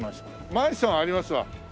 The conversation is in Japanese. マンションありますわ。